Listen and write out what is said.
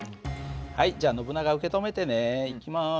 はいじゃあノブナガ受け止めてね。いきます。